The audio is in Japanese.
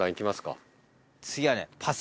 次はね。